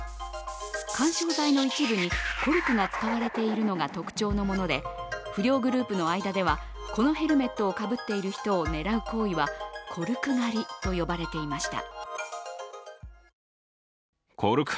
緩衝材の一部にコルクが使われているのが特徴のもので、不良グループの間ではこのヘルメットをかぶっている人を狙う行為はコルク狩りと呼ばれていました。